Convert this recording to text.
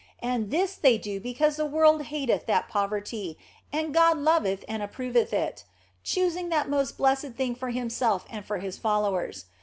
And this they do because the world hateth 64 THE BLESSED ANGELA that poverty, and God loveth and approveth it, choosing that most blessed thing for Himself and for His followers.